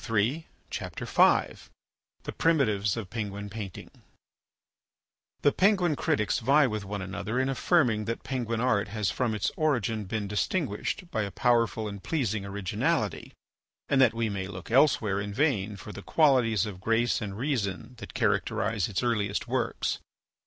THE ARTS: THE PRIMITIVES OF PENGUIN PAINTING The Penguin critics vie with one another in affirming that Penguin art has from its origin been distinguished by a powerful and pleasing originality, and that we may look elsewhere in vain for the qualities of grace and reason that characterise its earliest works.